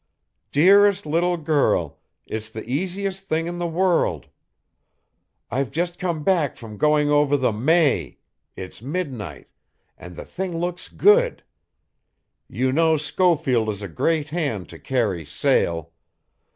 "Dearest little girl, it's the easiest thing in the world. I've just come back from going over the May (it's midnight), and the thing looks good. You know Schofield is a great hand to carry sail.